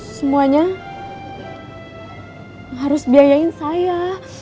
semuanya harus biayain saya